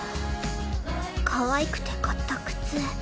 かわいくて買った靴。